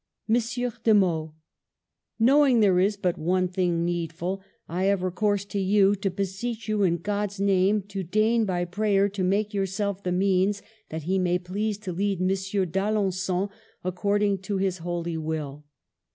Monsieur de Meaux, — Knowing there is but one thing needful, I have recourse to you, to beseech you, in God's name, to deign by prayer to make yourself the means that He may please to lead M. d'Alengon according to His holy will.